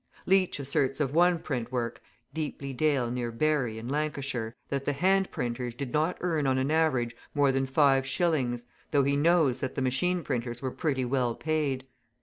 Leach asserts of one print work (Deeply Dale, near Bury, in Lancashire), that the hand printers did not earn on an average more than five shillings, though he knows that the machine printers were pretty well paid.